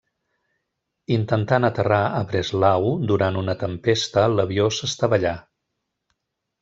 Intentant aterrar a Breslau durant una tempesta, l'avió s'estavellà.